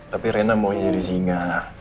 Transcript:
tapi rena mau jadi singa